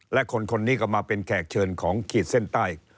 และคนนี้ก็มาเป็นแขกเชิญของขีดเส้นใต้